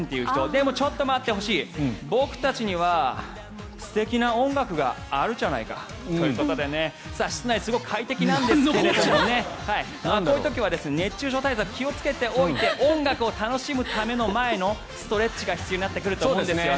でもちょっと待ってほしい僕たちには素敵な音楽があるじゃないか。ということで室内すごく快適なんですがこういう時は熱中症対策気をつけておいて音楽を楽しむ前のストレッチが必要になってくると思うんです。